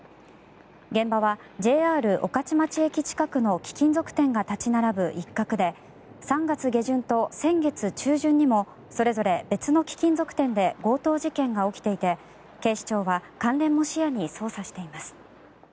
現場はＪＲ御徒町駅近くの貴金属店が立ち並ぶ一角で３月下旬と先月中旬にもそれぞれ別の貴金属店で強盗事件が起きていて警視庁は関連も視野に捜査しています。